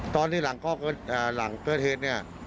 ตอนที่หลังเกิดเหตุเนี่ย